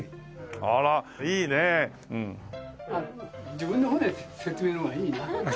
自分の方で説明の方がいいな。